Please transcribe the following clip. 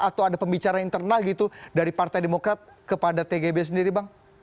atau ada pembicaraan internal gitu dari partai demokrat kepada tgb sendiri bang